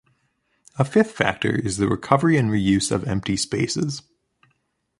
A fifth factor is the recovery and reuse of empty spaces.